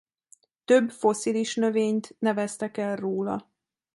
Több fosszilis növényt neveztek el róla.